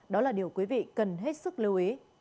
đó là điều quý vị cần hết sức lưu ý